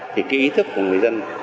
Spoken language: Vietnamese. thì cái ý thức của người dân